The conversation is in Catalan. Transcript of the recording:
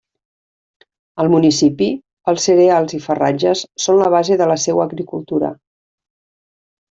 Al municipi els cereals i farratges són la base de la seua agricultura.